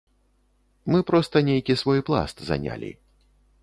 Мы проста нейкі свой пласт занялі.